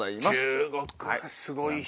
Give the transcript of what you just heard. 中国はすごい人。